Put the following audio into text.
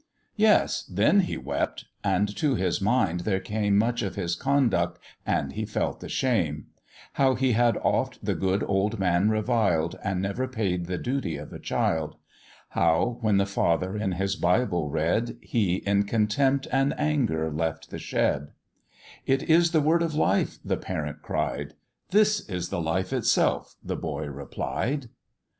Yes! then he wept, and to his mind there came Much of his conduct, and he felt the shame, How he had oft the good old man reviled, And never paid the duty of a child; How, when the father in his Bible read, He in contempt and anger left the shed: "It is the word of life," the parent cried; "This is the life itself," the boy replied.